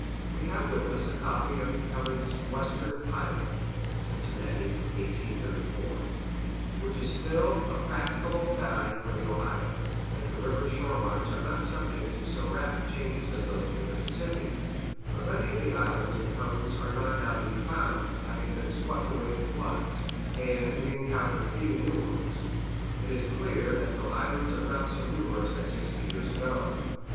We have with us a copy of Cuming's Western Pilot (Cincinnati, 1834), which is still a practicable guide for the Ohio, as the river's shore lines are not subject to so rapid changes as those of the Mississippi; but many of the islands in Cuming's are not now to be found, having been swept away in floods, and we encounter few new ones. It is clear that the islands are not so numerous as sixty years ago.